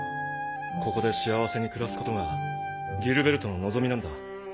ここで幸せに暮らすことがギルベルトの望みなんだ。